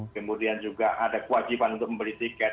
kemudian juga ada kewajiban untuk membeli tiket